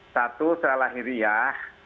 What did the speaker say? satu terlahir riah